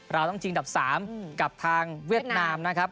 เราต้องชิงดับ๓กับทางเวียดนามนะครับ